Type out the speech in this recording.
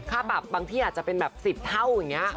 ข้าปราบบางทีจะเป็นทีสิบเท่า